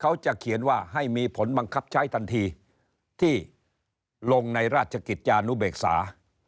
เขาจะเขียนว่าให้มีผลบังคับใช้ทันทีที่ลงในราชกิจจานุเบกษา